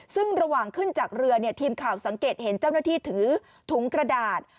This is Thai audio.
ซึ่งระหว่างขึ้นจากเรือทีมข่าวสังเกตเห็นเจ้าหน้าที่ถือถุงกระดาษ